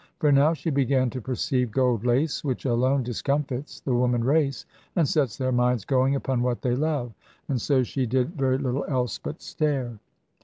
For now she began to perceive gold lace, which alone discomfits the woman race, and sets their minds going upon what they love. And so she did very little else but stare.